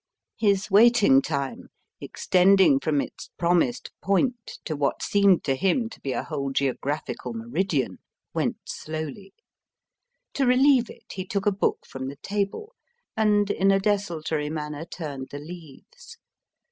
His waiting time extending from its promised point to what seemed to him to be a whole geographical meridian went slowly. To relieve it, he took a book from the table, and in a desultory manner turned the leaves.